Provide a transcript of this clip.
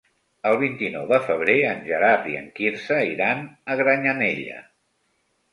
El vint-i-nou de febrer en Gerard i en Quirze iran a Granyanella.